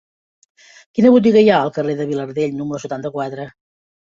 Quina botiga hi ha al carrer de Vilardell número setanta-quatre?